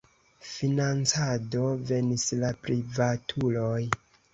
Financado venis de privatuloj.